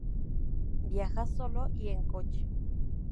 Viaja solo y en coche.